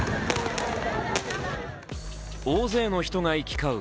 大勢の人が行き交う